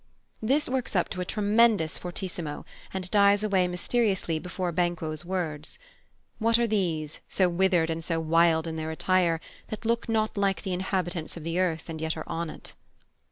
This works up to a tremendous fortissimo, and dies away mysteriously before Banquo's words: What are these, So withered and so wild in their attire, That look not like th' inhabitants o' th' earth, And yet are on't?